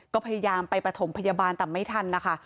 ก็พยายามไปประถมพยาบาลแต่ไม่ทันนะคะ